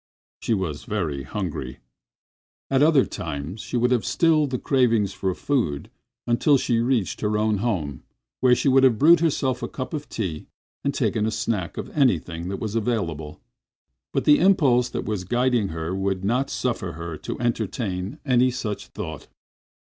She was very hungry. Another time she would have stilled the cravings for food until reaching her own home, where she would have brewed herself a cup of tea and taken a snack of anything that was available. But the impulse that was guiding her would not suffer her to entertain any such thought.